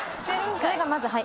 それがまずはい。